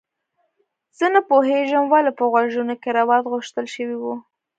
زه نه پوهیږم ولې په غوږونو کې روات غوښتل شوي وو